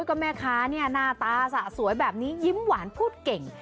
โอ้แม่ค้าหน้าตาสวยแบบนี้ยิ้มหวานพูดเก่ง